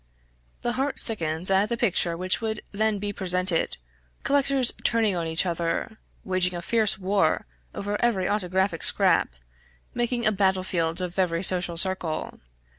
The heart sickens at the picture which would then be presented collectors turning on each other, waging a fierce war over every autographic scrap, making a battle field of every social circle.